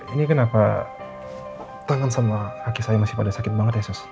ini kenapa tangan sama kaki saya masih pada sakit banget ya sos